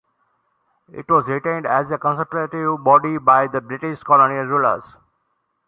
It was retained as a consultative body by the British colonial rulers.